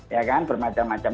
ya kan bermacam macam